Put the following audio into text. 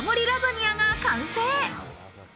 ラザニアが完成。